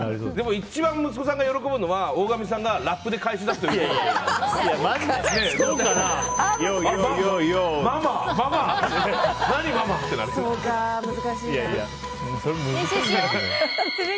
一番息子さんが喜ぶのは大神さんがラップで返しだすといい。